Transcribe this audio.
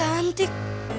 wah cewek cantik